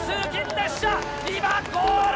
列車今ゴール！